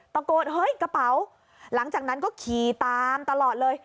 ตะโกนเฮ้ยกระเป๋าหลังจากนั้นก็ขี่ตามตลอดเลย